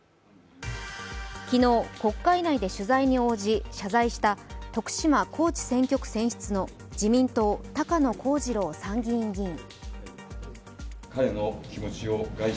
昨日、国会内で取材に応じ謝罪した、徳島・高知選挙区選出の自民党高野光二郎参議院議員。